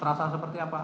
terasa seperti apa